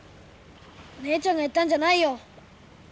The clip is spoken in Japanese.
ねえちゃんがやったんじゃないよ。